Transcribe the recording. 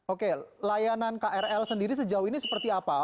oke layanan krl sendiri sejauh ini seperti apa